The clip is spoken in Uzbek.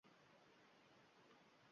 Bu xuddi Yangiqishloq toponimiga oʻxshaydi